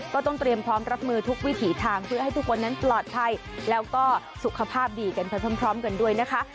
ก็ต้องเตรียมพร้อมรับมือทุกวิถีทางเพื่อให้ทุกคนนั้นปลอดภัยแล้วก็สุขภาพดีกันไปพร้อมกันด้วยนะคะ